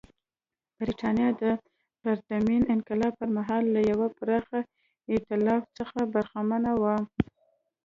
برېټانیا د پرتمین انقلاب پر مهال له یوه پراخ اېتلاف څخه برخمنه وه.